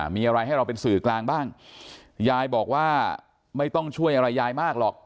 มีอะไรให้เราเป็นสื่อกลางบ้างยายบอกว่าไม่ต้องช่วยอะไรยายมากหรอก